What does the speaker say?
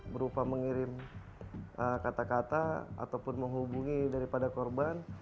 berupa mengirim kata kata ataupun menghubungi daripada korban